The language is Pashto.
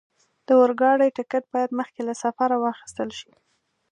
د اورګاډي ټکټ باید مخکې له سفره واخستل شي.